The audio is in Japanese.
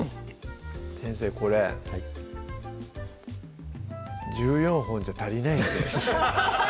先生これはい１４本じゃ足りないですね